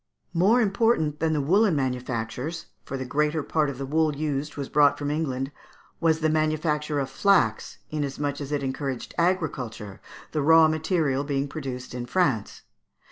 ] More important than the woollen manufactures for the greater part of the wool used was brought from England was the manufacture of flax, inasmuch as it encouraged agriculture, the raw material being produced in France.